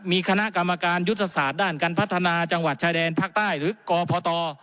มีคณะกรรมการยุทธศาสตร์ด้านการพัฒนาจังหวัดชายแดนภาคใต้หรือกพต